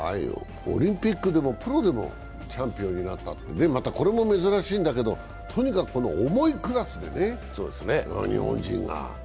オリンピックでもプロでもチャンピオンになった、またこれも珍しいんだけどこの重いクラスでね、日本人が。